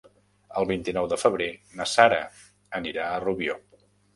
El vint-i-nou de febrer na Sara anirà a Rubió.